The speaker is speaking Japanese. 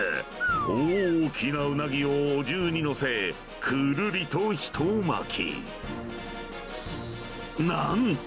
大きなウナギをお重に載せ、くるりとひと巻き。